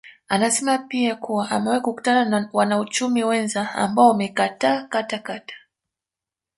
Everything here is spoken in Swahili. Anasema pia kuwa amewahi kukutana na wanauchumi wenza ambao wamekataa katakata